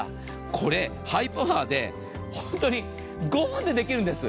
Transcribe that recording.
これハイパワーで本当に５分でできるんです。